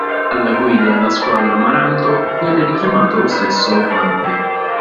Alla guida della squadra amaranto viene richiamato lo stesso Orlandi.